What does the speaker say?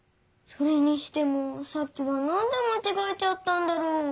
それにしてもさっきはなんでまちがえちゃったんだろう？